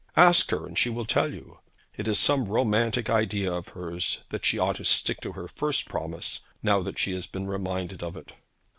Ask her, and she will tell you so. It is some romantic idea of hers that she ought to stick to her first promise, now that she has been reminded of it.'